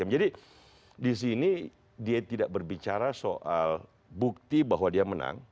jadi disini dia tidak berbicara soal bukti bahwa dia menang